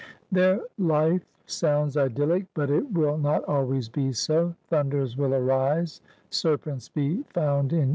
Their life sounds idyllic, but it will not always be so. Thunders will arise ; serpents be found in Eden.